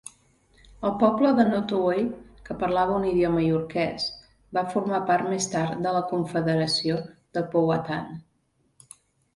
El poble de Nottoway, que parlava un idioma iroquès, va formar part més tard de la confederació de Powhatan.